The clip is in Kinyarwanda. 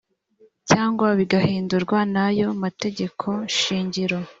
cyangwa bigahindurwa n’ayo mategeko shingiro